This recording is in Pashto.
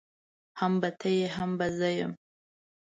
هم به ته يې هم به زه يم.